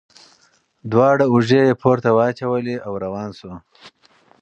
دواړه اوږې یې پورته واچولې او روان شو.